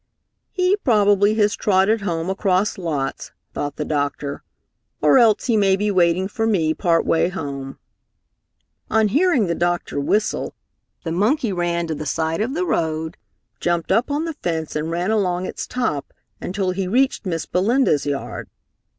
"He probably has trotted home across lots," thought the doctor, "or else he may be waiting for me part way home." On hearing the doctor whistle, the monkey ran to the side of the road, jumped up on the fence and ran along its top until he reached Miss Belinda's yard.